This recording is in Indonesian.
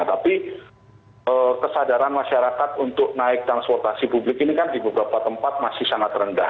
tapi kesadaran masyarakat untuk naik transportasi publik ini kan di beberapa tempat masih sangat rendah